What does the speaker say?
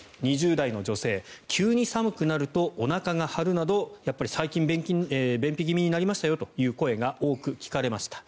２０代の女性急に寒くなるとおなかが張るなど最近、便秘気味になりましたよという声が多く聞かれました。